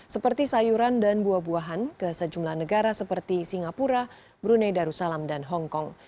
seperti sayuran dan buah buahan ke sejumlah negara seperti singapura brunei darussalam dan hongkong